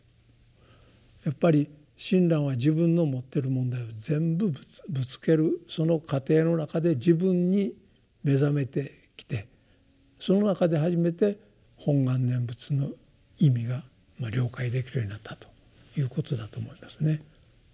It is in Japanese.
やっぱり親鸞は自分の持ってる問題を全部ぶつけるその過程の中で自分に目覚めてきてその中で初めて本願念仏の意味が了解できるようになったということだと思いますね。